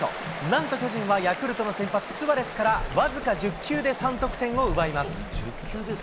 なんと巨人はヤクルトの先発、スアレスから、僅か１０球で３得点を奪います。